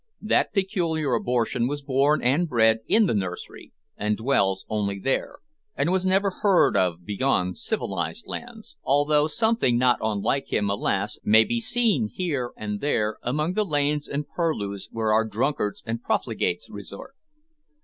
That peculiar abortion was born and bred in the nursery, and dwells only there, and was never heard of beyond civilised lands although something not unlike him, alas! may be seen here and there among the lanes and purlieus where our drunkards and profligates resort.